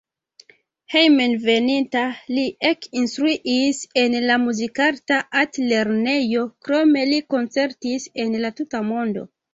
Hejmenveninta li ekinstruis en la Muzikarta Altlernejo, krome li koncertis en la tuta mondo.